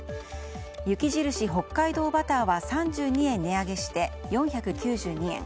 雪印北海道バターは３２円値上げして４９２円。